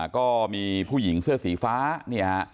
ก็มีผู้หญิงเสื้อสีฟ้าเนี่ยฮะ